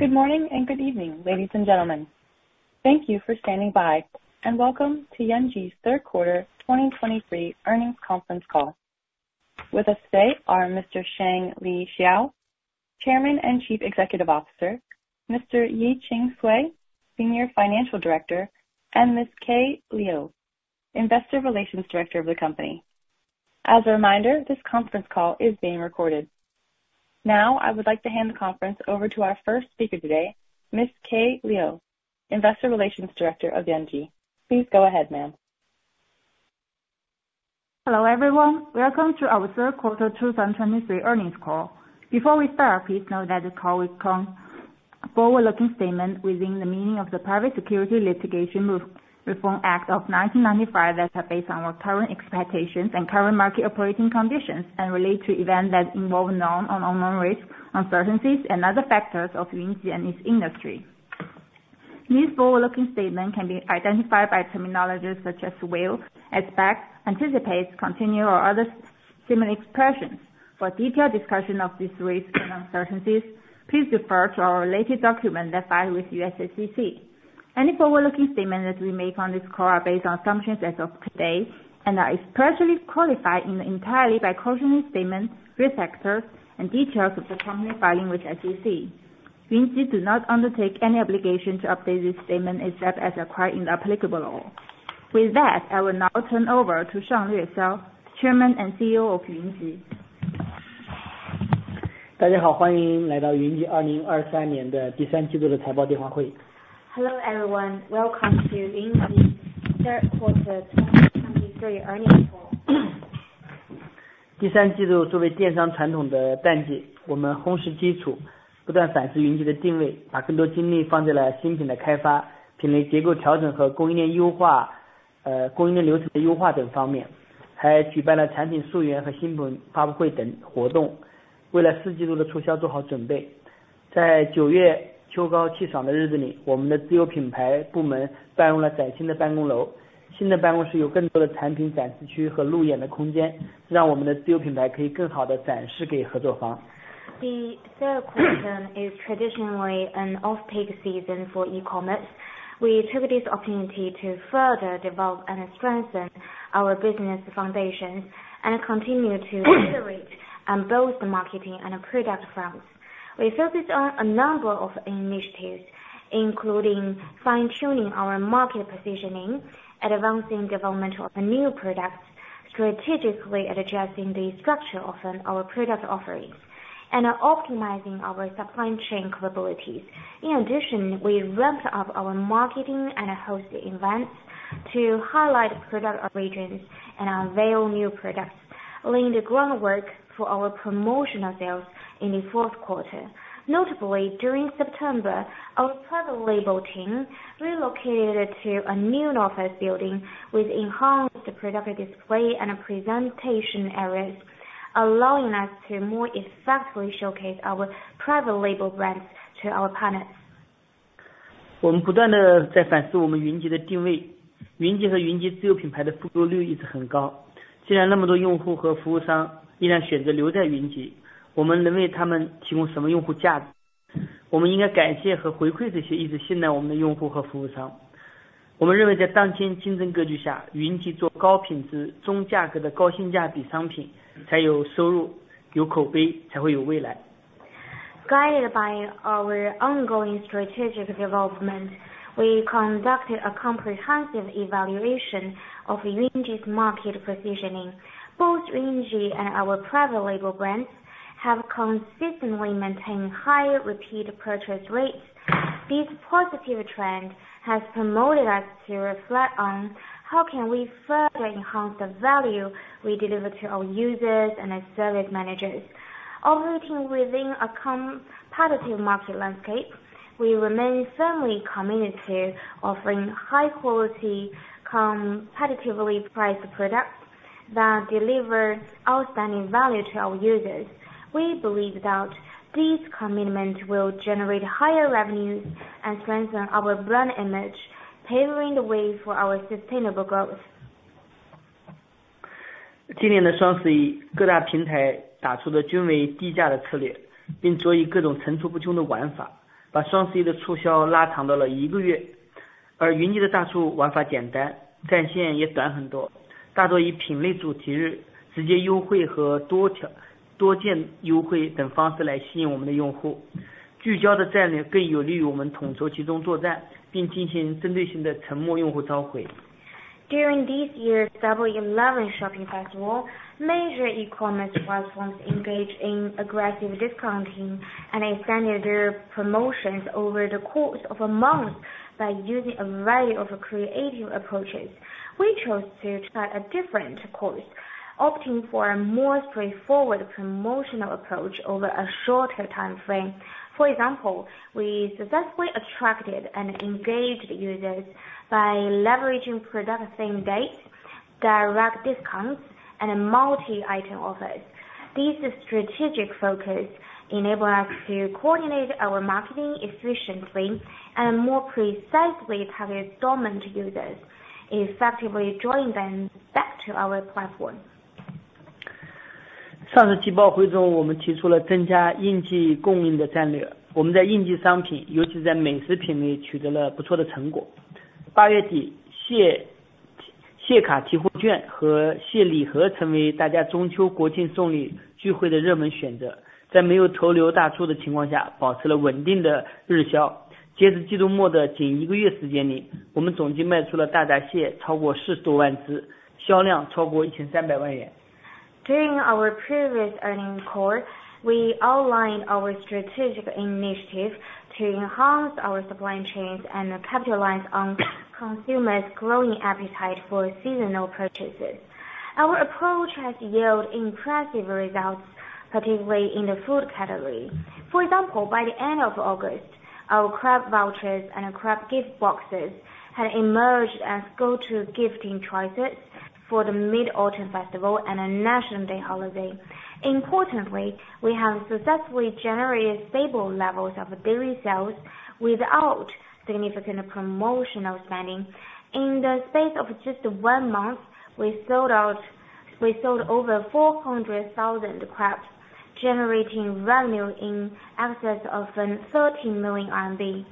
Good morning and good evening, ladies and gentlemen. Thank you for standing by, and welcome to Yunji's Third Quarter 2023 Earnings Conference Call. With us today are Mr. Shanglue Xiao, Chairman and Chief Executive Officer, Mr. Yeqing Cui, Senior Financial Director, and Miss Kaye Liu, Investor Relations Director of the company. As a reminder, this conference call is being recorded. Now, I would like to hand the conference over to our first speaker today, Miss Kaye Liu, Investor Relations Director of Yunji. Please go ahead, ma'am. Hello, everyone. Welcome to our third quarter 2023 earnings call. Before we start, please note that the call will contain forward-looking statements within the meaning of the Private Securities Litigation Reform Act of 1995, that are based on our current expectations and current market operating conditions, and relate to events that involve known or unknown risks, uncertainties and other factors of Yunji and its industry. These forward-looking statements can be identified by terminologies such as "will," "expect," "anticipates," "continue," or other similar expressions. For detailed discussion of these risks and uncertainties, please refer to our related document that filed with SEC. Any forward-looking statements that we make on this call are based on assumptions as of today, and are expressly qualified in entirely by cautionary statements, risk factors, and details of the company's filing with SEC. Yunji do not undertake any obligation to update this statement, except as required in the applicable law. With that, I will now turn over to Shanglue Xiao, Chairman and CEO of Yunji. Hello, everyone. Welcome to Yunji third quarter 2023 earnings call. Hello, everyone. Welcome to Yunji third quarter 2023 earnings call. The third quarter is traditionally an off-peak season for e-commerce. We took this opportunity to further develop and strengthen our business foundations and continue to iterate on both the marketing and product fronts. We focused on a number of initiatives, including fine-tuning our market positioning, advancing development of new products, strategically adjusting the structure of our product offerings, and optimizing our supply chain capabilities. In addition, we ramped up our marketing and hosted events to highlight product regions and unveil new products, laying the groundwork for our promotional sales in the fourth quarter. Notably, during September, our private label team relocated to a new office building with enhanced product display and presentation areas, allowing us to more effectively showcase our private label brands to our partners. Guided by our ongoing strategic development, we conducted a comprehensive evaluation of Yunji's market positioning. Both Yunji and our Private Label brands have consistently maintained high Repeat Purchase Rates. These positive trends has promoted us to reflect on how can we further enhance the value we deliver to our users and our service managers. Operating within a competitive market landscape, we remain firmly committed to offering high quality, competitively priced products that deliver outstanding value to our users. We believe that these commitment will generate higher revenues and strengthen our brand image, paving the way for our sustainable growth. During this year's Double Eleven shopping festival, major e-commerce platforms engaged in aggressive discounting and extended their promotions over the course of a month by using a variety of creative approaches. We chose to try a different course, opting for a more straightforward promotional approach over a shorter timeframe. For example, we successfully attracted and engaged users by leveraging product same day, direct discounts, and multi-item offers. This strategic focus enabled us to coordinate our marketing efficiently and more precisely target dormant users, effectively drawing them back to our platform. ...上次季报会中，我们提出了增加应季供应的战略，我们在应季商品，尤其在美食品类取得了不错的结果。八月底，蟹、蟹卡、提货券和蟹礼盒成为大家中秋国庆送礼聚会的热门选择，在没有头部大促的情况下，保持了稳定的日销。截至季度末的仅一个月时间里，我们总计卖出了大闸蟹超过400,000只，销量超过CNY 13 million。During our previous earnings call, we outlined our strategic initiative to enhance our supply chains and capitalize on consumers' growing appetite for seasonal purchases. Our approach has yielded impressive results, particularly in the food category. For example, by the end of August, our crab vouchers and crab gift boxes had emerged as go-to gifting choices for the Mid-Autumn Festival and National Day holiday. Importantly, we have successfully generated stable levels of daily sales without significant promotional spending. In the space of just one month, we sold out, we sold over 400,000 crabs, generating revenue in excess of 30 million RMB.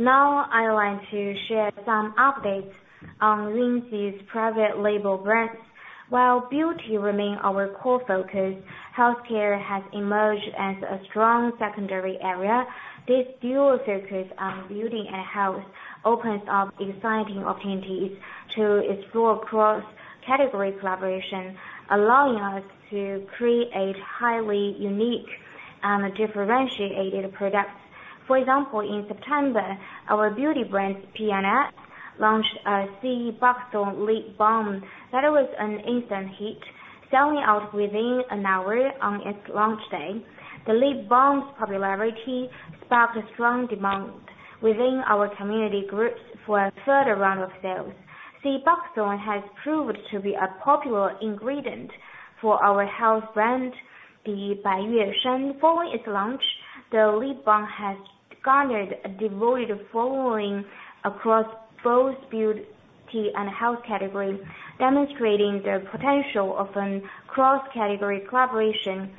Now I want to share some updates on Yunji's private label brands. While beauty remain our core focus, healthcare has emerged as a strong secondary area. This dual focus on beauty and health opens up exciting opportunities to explore cross-category collaboration, allowing us to create highly unique and differentiated products. For example, in September, our beauty brand Pianna launched a sea buckthorn lip balm that was an instant hit, selling out within an hour on its launch day. The lip balm's popularity sparked a strong demand within our community groups for a third round of sales. The sea buckthorn has proved to be a popular ingredient for our health brand, the Baiyue Shan. Following its launch, the lip balm has garnered a devoted following across both beauty and health categories, demonstrating the potential of a cross-category collaboration.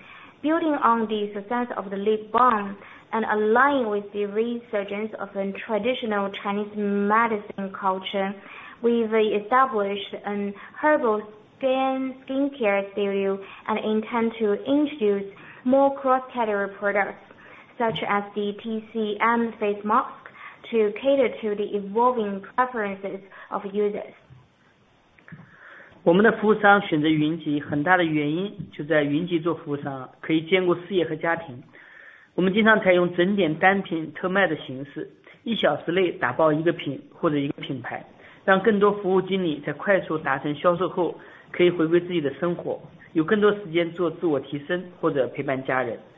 Building on the success of the lip balm and aligning with the resurgence of traditional Chinese medicine culture, we've established an herbal skincare studio and intend to introduce more cross-category products, such as the TCM Face Mask, to cater to the evolving preferences of users. 我们的服务商选择云集，很大的原因就在云集做服务商可以兼顾事业和家庭。我们经常采用整点单品特卖的形式，一小时内打包一个品或者一个品牌，让更多服务经理在快速达成销售后可以回归自己的生活，有更多时间做自我提升或者陪伴家人。在自我提升方面，我们关爱服务经理的学习和成长。今年三季度，我们开启了新的教育培训计划，我们希望他们不但掌握销售技巧，还能思维更开阔，兴趣更广泛，家庭更加的美满。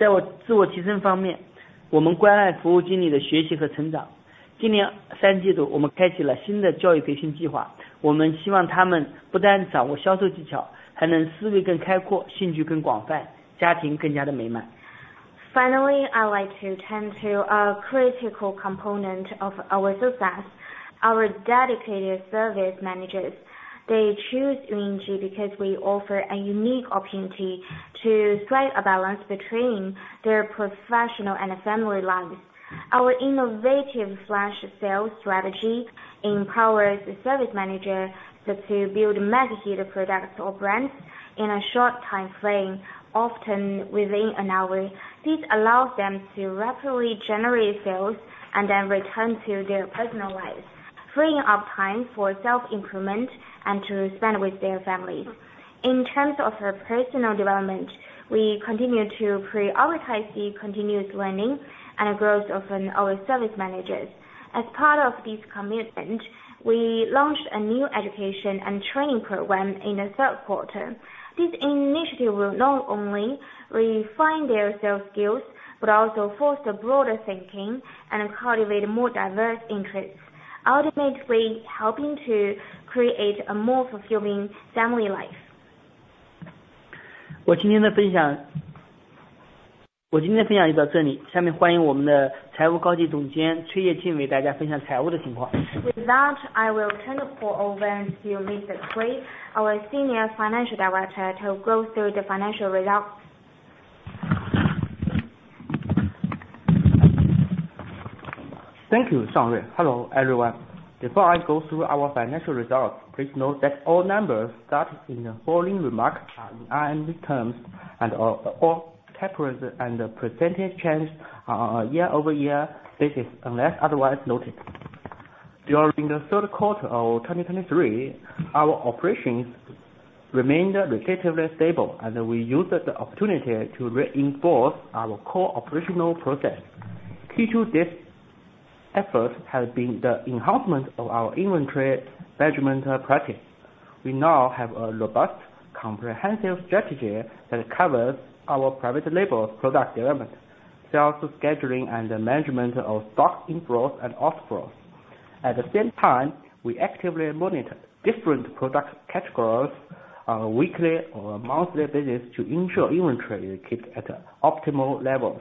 Finally, I'd like to turn to a critical component of our success: our dedicated service managers. They choose Yunji because we offer a unique opportunity to strike a balance between their professional and family lives. Our innovative flash sales strategy empowers service managers to build massive products or brands in a short time frame, often within an hour. This allows them to rapidly generate sales and then return to their personal lives, freeing up time for self-improvement and to spend with their families. In terms of their personal development, we continue to prioritize the continuous learning and growth of our service managers. As part of this commitment, we launched a new education and training program in the third quarter. This initiative will not only refine their sales skills, but also foster broader thinking and cultivate more diverse interests, ultimately helping to create a more fulfilling family life. 我的分享，我的分享就到这里。下面欢迎我们的财务高级总监崔叶青为大家分享财务的情况。With that, I will turn the call over to Yeqing Cui, our Senior Financial Director, to go through the financial results. ... Thank you, Shanglue. Hello, everyone. Before I go through our financial results, please note that all numbers stated in the following remarks are in RMB terms and are all unaudited and the percentage changes are on a year-over-year basis, unless otherwise noted. During the third quarter of 2023, our operations remained relatively stable, and we used the opportunity to reinforce our core operational process. Key to this effort has been the enhancement of our inventory management practice. We now have a robust, comprehensive strategy that covers our private label product development, sales scheduling, and the management of stock inflows and outflows. At the same time, we actively monitor different product categories on a weekly or monthly basis to ensure inventory is kept at optimal levels.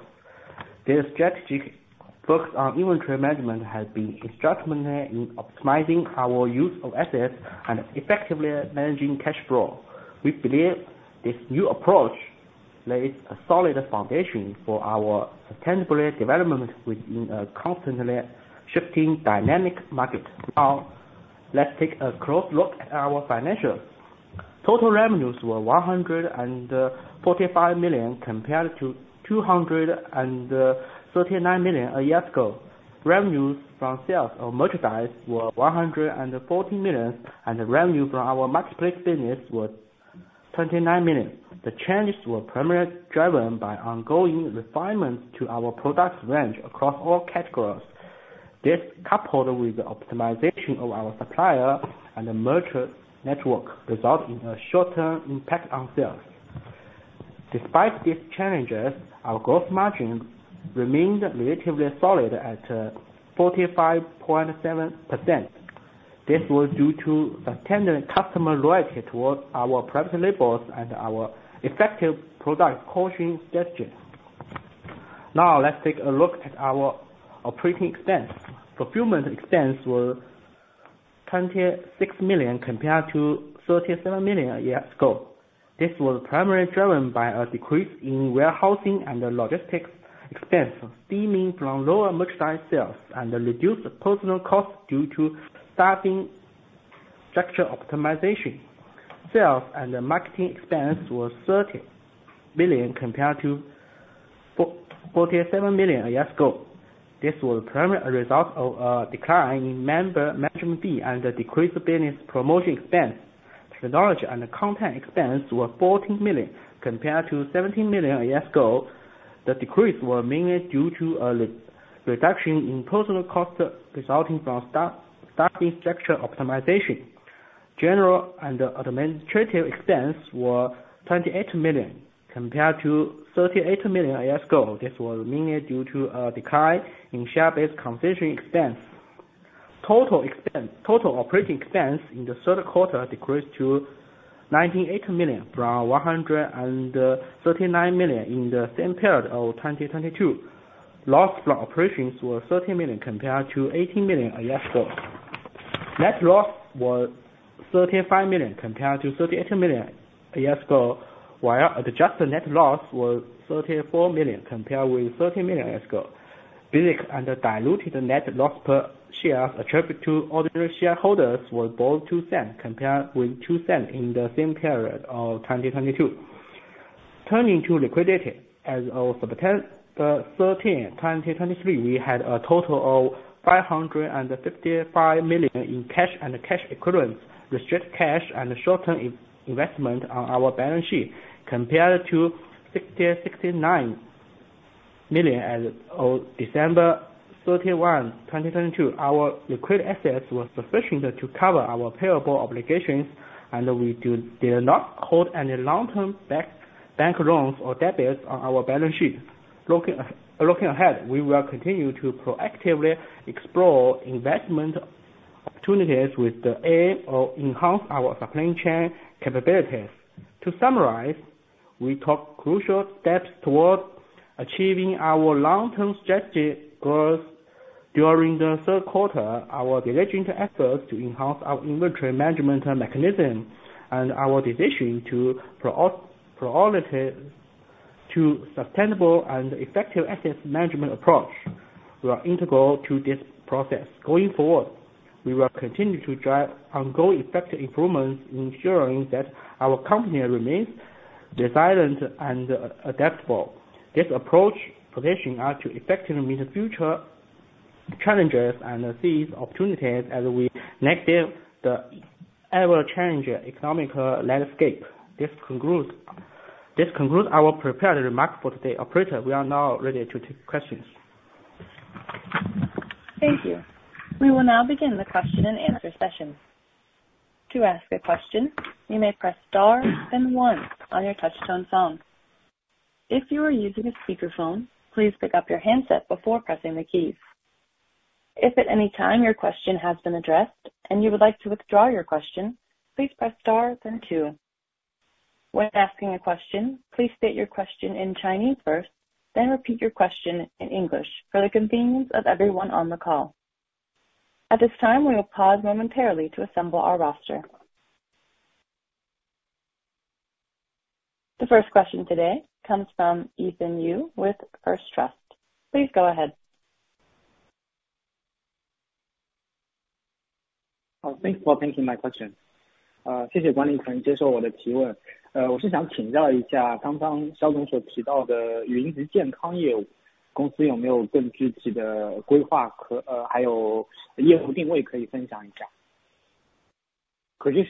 This strategy focused on inventory management has been instrumental in optimizing our use of assets and effectively managing cash flow. We believe this new approach lays a solid foundation for our sustainable development within a constantly shifting dynamic market. Now, let's take a close look at our financials. Total revenues were 145 million, compared to 239 million a year ago. Revenues from sales of merchandise were 140 million, and revenue from our marketplace business was 29 million. The changes were primarily driven by ongoing refinements to our product range across all categories. This, coupled with the optimization of our suppliers and the merchant network, resulted in a short-term impact on sales. Despite these challenges, our gross margin remained relatively solid at 45.7%. This was due to the tremendous customer loyalty towards our private labels and our effective product costing strategy. Now, let's take a look at our operating expense. Procurement expense was 26 million compared to 37 million a year ago. This was primarily driven by a decrease in warehousing and logistics expense, stemming from lower merchandise sales and a reduced personnel cost due to staffing structure optimization. Sales and marketing expense was 13 million, compared to 47 million a year ago. This was primarily a result of a decline in member management fee and a decreased business promotion expense. Technology and content expense were 14 million, compared to 17 million a year ago. The decrease was mainly due to a reduction in personnel costs resulting from staffing structure optimization. General and administrative expense were 28 million, compared to 38 million a year ago. This was mainly due to a decline in share-based compensation expense. Total operating expense in the third quarter decreased to $98 million from $139 million in the same period of 2022. Loss from operations was $13 million, compared to $18 million a year ago. Net loss was $35 million, compared to $38 million a year ago, while adjusted net loss was $34 million, compared with $30 million a year ago. Basic and diluted net loss per share attributed to ordinary shareholders was both $0.02, compared with $0.02 in the same period of 2022. Turning to liquidity, as of September 13, 2023, we had a total of $555 million in cash and cash equivalents, restricted cash, and short-term investments on our balance sheet, compared to $669 million as of December 31, 2022. Our liquid assets were sufficient to cover our payable obligations, and we did not hold any long-term bank loans or debtors on our balance sheet. Looking ahead, we will continue to proactively explore investment opportunities with the aim of enhancing our supply chain capabilities. To summarize, we took crucial steps towards achieving our long-term strategy goals during the third quarter. Our diligent efforts to enhance our inventory management mechanism and our decision to prioritize a sustainable and effective asset management approach were integral to this process. Going forward, we will continue to drive ongoing effective improvements, ensuring that our company remains resilient and adaptable. This approach positions us to effectively meet the future challenges and seize opportunities as we navigate the ever-changing economic landscape. This concludes our prepared remarks for today. Operator, we are now ready to take questions. Thank you. We will now begin the question and answer session. To ask a question, you may press star then one on your touchtone phone. If you are using a speakerphone, please pick up your handset before pressing the keys. If at any time your question has been addressed and you would like to withdraw your question, please press star then two. When asking a question, please state your question in Chinese first, then repeat your question in English for the convenience of everyone on the call. At this time, we will pause momentarily to assemble our roster. The first question today comes from Ethan Yu with First Trust. Please go ahead. Oh, thanks for taking my question. 谢谢管理层接受我的提问，我是想请教一下，刚刚肖总提到的云集健康业务，公司有没有更具体的规划和，还有业务定位可以分享一下。Could you share more color on the specific plans and the business positioning for our health business segment? Thank you. 谢谢。云集健康是云集面向未来10年、20年的长远的战略，可以理解为是我们云集的第二曲线。未来的20年会有6.2亿的中国人会步入60岁以上，那云集的女性用户呢，占比95%，其中呢宝妈的占比达到了86%。这个群体的两大特质呢，是关注... 非常的关注健康，也非常关注家中老人、孩子的健康，他们也是家庭健康的守护者。And thank you for your question. Yunji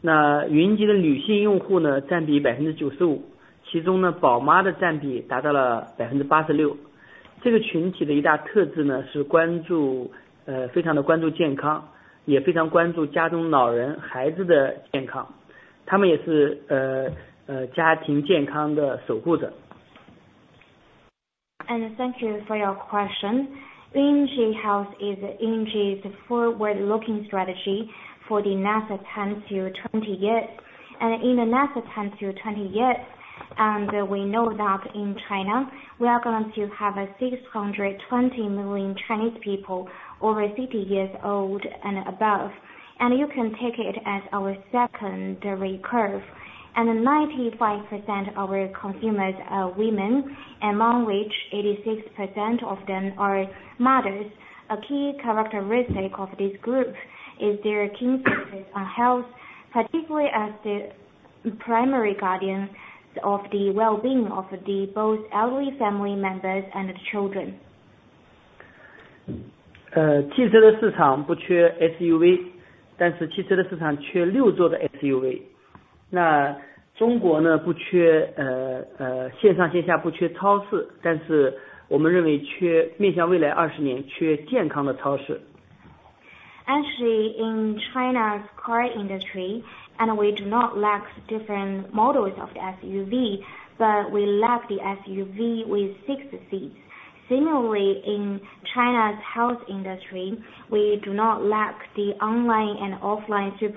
Health is Yunji's forward-looking strategy for the next 10-20 years. And in the next 10-20 years, we know that in China, we are going to have 620 million Chinese people over 60 years old and above, and you can take it as our second curve. And 95% of our consumers are women, among which 86% of them are mothers. A key characteristic of this group is their keen focus on health, particularly as the primary guardians of the well-being of both elderly family members and the children. 汽车的市场不缺SUV，但是汽车的市场缺六座的SUV。那中国呢，不缺...线上线下不缺超市，但是我们认为缺面向未来二十年缺健康的超市。Actually, in China's car industry, and we do not lack different models of SUV, but we lack the SUV with six seats. Similarly, in China's health industry, we do not lack the online and offline supermarkets, but in the next 20 years in China, we lack the health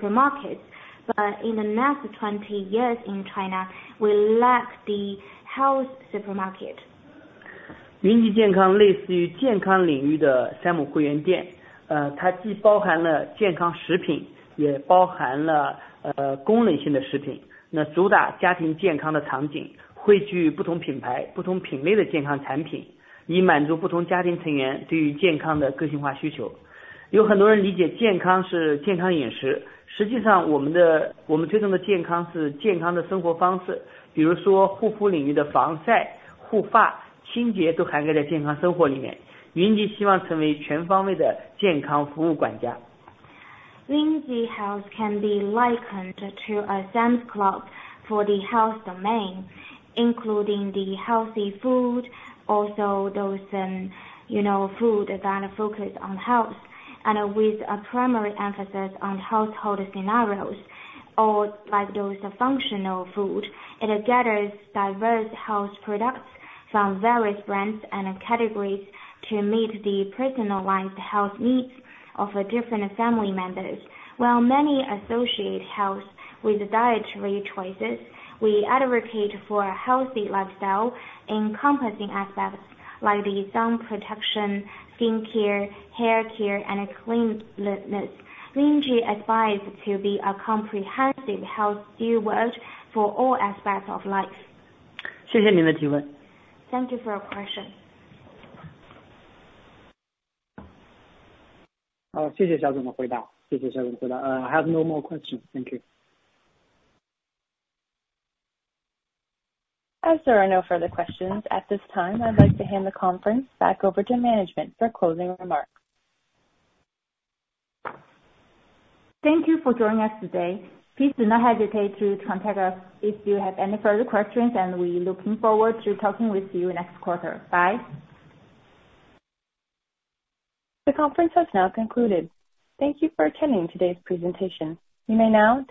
supermarket. 云集健康类似于健康领域的Sam's Club，它既包含了健康食品，也包含了功能性的食品，那主打家庭健康的场景，汇聚不同品牌、不同品类的健康产品，以满足不同家庭成员对于健康的个性化需求。很多人理解健康是健康饮食，实际上我们推动的健康是健康的生活方式。比如说护肤领域的防晒、护发、清洁都涵盖在健康生活里面。云集希望成为全方位的健康服务管家。Yunji Health can be likened to a Sam's Club for the health domain, including the healthy food, also those, you know, food that are focused on health and with a primary emphasis on household scenarios or like those functional food. It gathers diverse health products from various brands and categories to meet the personalized health needs of different family members. While many associate health with dietary choices, we advocate for a healthy lifestyle encompassing aspects like the sun protection, skincare, haircare, and cleanliness. Yunji advised to be a comprehensive health steward for all aspects of life. 谢谢您的提问。Thank you for your question. 好，谢谢肖总的回答，谢谢肖总。I have no more questions. Thank you. As there are no further questions, at this time, I'd like to hand the conference back over to management for closing remarks. Thank you for joining us today. Please do not hesitate to contact us if you have any further questions, and we look forward to talking with you next quarter. Bye. The conference has now concluded. Thank you for attending today's presentation. You may now disconnect.